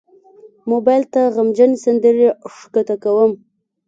موبایل ته غمجن سندرې ښکته کوم.